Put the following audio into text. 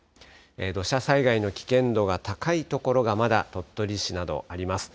土砂災害の危険度が高い所がまだ、鳥取市などあります。